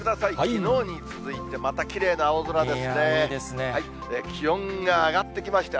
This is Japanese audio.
きのうに続いて、またきれいな青空ですね。